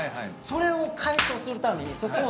それを解消するためにそこを。